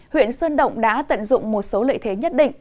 huyện sơn động đã tận dụng một số lợi thế nhất định